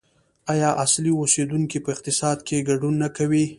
آیا اصلي اوسیدونکي په اقتصاد کې ګډون نه کوي؟